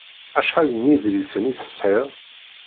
Acḥal n yedlisen i tesɛiḍ?